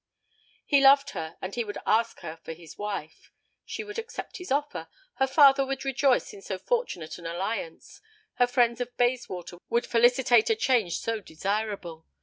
He loved her, and he would ask her for his wife. She would accept his offer; her father would rejoice in so fortunate an alliance; her friends of Bayswater would felicitate a change so desirable.